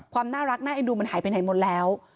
ความน่ารักน่าเอ็นดูมันหายไปไหนหมดแล้ว